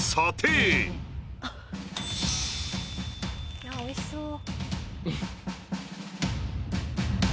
いやおいしそう。